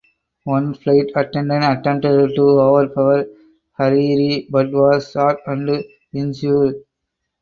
One flight attendant attempted to overpower Hariri but was shot and injured.